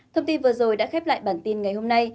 thông tin vừa rồi đã khép lại bản tin ngày hôm nay